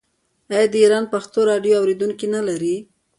آیا د ایران پښتو راډیو اوریدونکي نلري؟